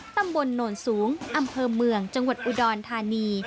ตำบลโนนสูงอำเภอเมืองจังหวัดอุดรธานี